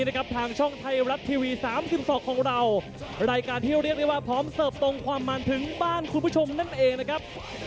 เราสองคนรับหน้าที่เป็นพิธีกรครับ